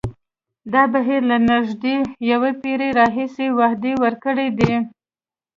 دا بهیر له نژدې یوه پېړۍ راهیسې وعدې ورکړې دي.